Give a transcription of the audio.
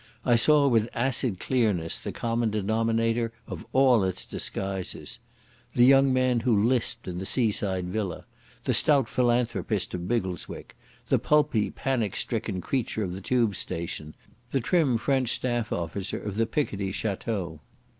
I saw with acid clearness the common denominator of all its disguises—the young man who lisped in the seaside villa, the stout philanthropist of Biggleswick, the pulpy panic stricken creature of the Tube station, the trim French staff officer of the Picardy château....